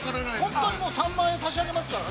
◆本当に３万円差し上げますから